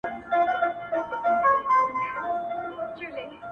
زما خوبـونو پــه واوښـتـل.